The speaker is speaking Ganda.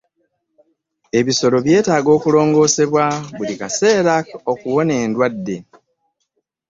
ebisolo byetaaga okulongoosebwa buli kaseera okuwona endwadde.